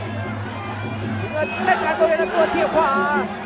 ลูกเงินเล่นการตัวเองล่ะตัวเทียบขวา